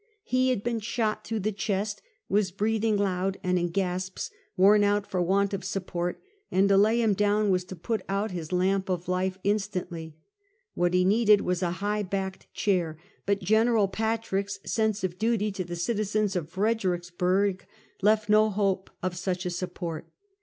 He had been shot through the chest, was breathing loud and in gasps, worn out for want of support, and to lay him down was to put out his lamp of life in stantly. What he needed was a high backed chair, but General Patrick's sense of duty to the citizens of Fredericksburg left no hope of such a support.